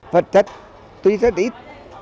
vật chất tuy rất ít